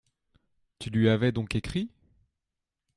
Tu lui avais donc écrit ?…